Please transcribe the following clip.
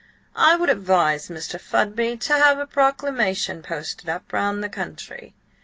I would advise Mr. Fudby to have a proclamation posted up round the country."